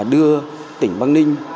đưa tỉnh bắc ninh